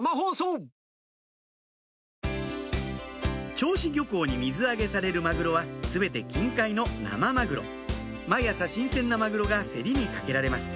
銚子漁港に水揚げされるマグロは全て近海の生マグロ毎朝新鮮なマグロが競りにかけられます